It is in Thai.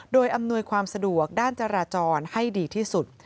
โดยอำนวยความสะดวกด้านจราจรให้ดีที่สุด